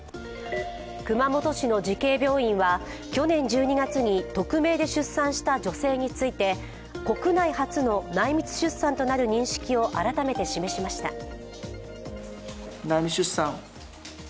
熊本市の慈恵病院は去年１２月に匿名で出産した女性について国内初の内密出産となる認識を改めて示しました。